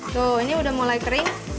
tuh ini udah mulai kering